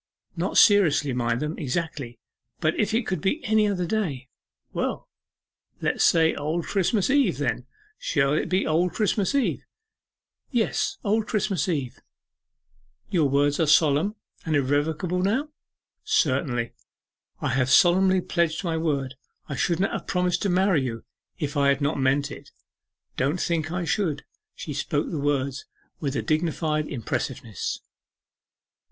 'Not seriously mind them, exactly but if it could be any other day?' 'Well, let us say Old Christmas Eve, then. Shall it be Old Christmas Eve?' 'Yes, Old Christmas Eve.' 'Your word is solemn, and irrevocable now?' 'Certainly, I have solemnly pledged my word; I should not have promised to marry you if I had not meant it. Don't think I should.' She spoke the words with a dignified impressiveness.